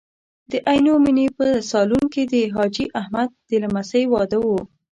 د عینومېنې په سالون کې د حاجي احمد د لمسۍ واده و.